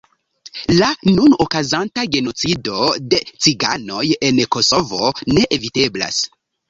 La nun okazanta genocido de ciganoj en Kosovo ne eviteblas.